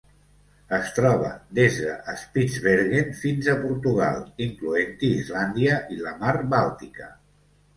Es troba des de Spitzbergen fins a Portugal, incloent-hi Islàndia i la Mar Bàltica.